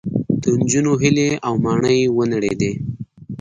د نجونو هیلې او ماڼۍ ونړېدې